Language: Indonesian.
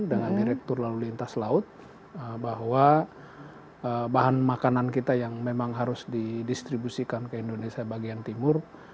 dengan direktur lalu lintas laut bahwa bahan makanan kita yang memang harus didistribusikan ke indonesia bagian timur